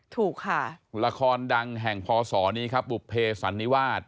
ถูกค่ะละครดังแห่งพศนี้ครับบุภเพสันนิวาส